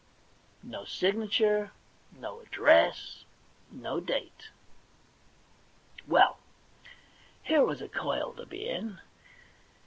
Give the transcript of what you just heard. No signature, no address, no date. Well, here was a coil to be in